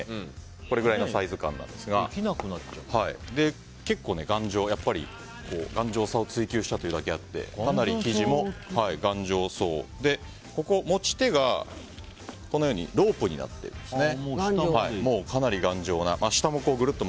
これくらいのサイズ感なんですが結構、頑丈さを追求したというだけあってかなり生地も頑丈そうで持ち手がこのようにロープになっていますね。